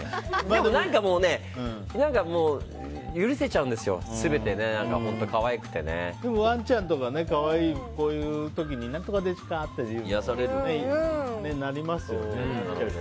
何か許せちゃうんです、全てでもワンちゃんとかこういう時に何とかでちゅかってなりますよね。